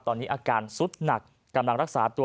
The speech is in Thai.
ตอนนี้อาการสุดหนักกำลังรักษาตัว